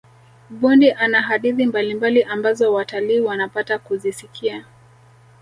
bundi ana hadithi mbalimbali ambazo watalii wanapata kuzisikia